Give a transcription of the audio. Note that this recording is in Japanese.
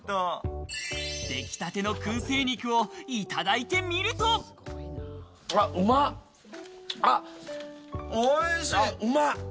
できたての燻製肉をいただいうまっ！おいしい！